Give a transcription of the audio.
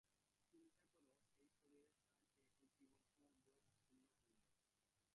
চিন্তা কর, এই শরীরের সাহায্যে এই জীবন-সমুদ্র উত্তীর্ণ হইব।